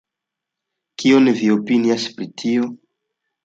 Kion vi opinias pri tio?